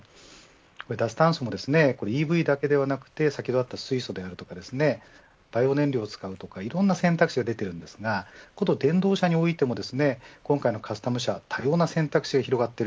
脱炭素もＥＶだけではなくて先ほどあった水素であったりバイオ燃料を使うとかいろいろな選択肢があるのですがこと電動車においても今回のカスタム車多様な選択肢が広がっている。